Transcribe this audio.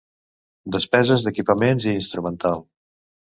Despeses d'equipaments i instrumental.